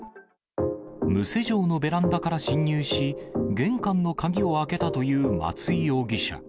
無施錠のベランダから侵入し、玄関の鍵を開けたという松居容疑者。